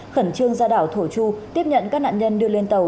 khẩn trương ra đảo thổ chu tiếp nhận các nạn nhân đưa lên tàu